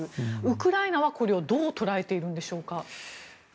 ウクライナはこれをどう捉えているのでしょうか。